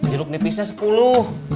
jeruk nipisnya sepuluh